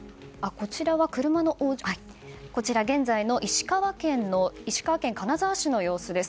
こちら現在の石川県金沢市の様子です。